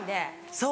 そう！